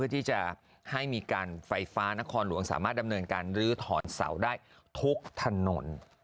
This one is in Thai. ที่จะให้มีการไฟฟ้านครหลวงสามารถดำเนินการลื้อถอนเสาได้ทุกถนน